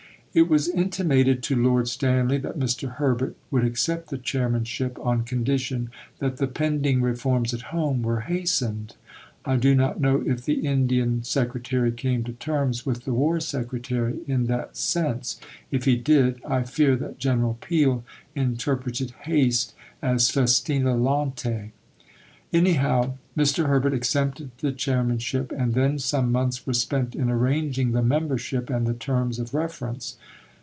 It was intimated to Lord Stanley that Mr. Herbert would accept the chairmanship on condition that the pending reforms at home were hastened. I do not know if the Indian Secretary came to terms with the War Secretary in that sense; if he did, I fear that General Peel interpreted "haste" as festina lente. Anyhow, Mr. Herbert accepted the chairmanship, and then some months were spent in arranging the membership and the terms of reference.